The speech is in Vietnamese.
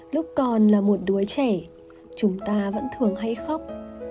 lúc còn là một đứa trẻ chúng ta vẫn thường hay khóc